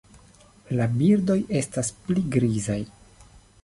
La birdoj estas pli grizaj.